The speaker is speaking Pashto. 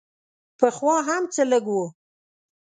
پخوا هر څه لږ وو.